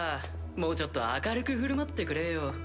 もうちょっと明るく振る舞ってくれよ。